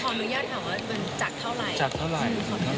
ขออนุญาตถามว่าจากเท่าไหร่